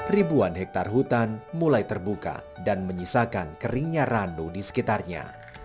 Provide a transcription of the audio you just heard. ribuan hektare hutan mulai terbuka dan menyisakan keringnya ranu di sekitarnya